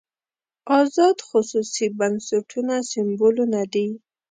ازاد خصوصي بنسټونه سېمبولونه دي.